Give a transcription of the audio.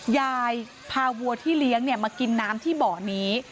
ยายพาวัวที่เลี้ยงมากินน้ำที่บ่อนี้